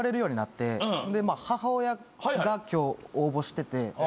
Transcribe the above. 母親が今日応募してて。